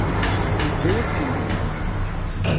Yeǧǧa-yak-tent-id.